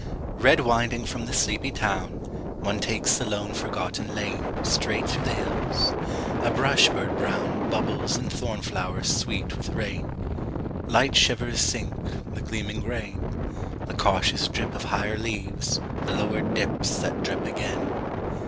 Red winding from the sleepy town, One takes the lone, forgotten lane Straight through the hills. A brush bird brown Bubbles in thorn flowers sweet with rain; Light shivers sink the gleaming grain; The cautious drip of higher leaves The lower dips that drip again.